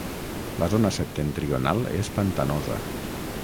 La zona septentrional és pantanosa.